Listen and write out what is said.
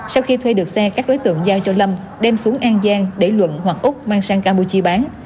sau khi thuê được xe các đối tượng giao cho lâm đem xuống an giang để luận hoặc úc mang sang campuchia bán